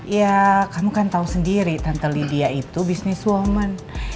ya kamu kan tahu sendiri tante lidia itu bisnis woman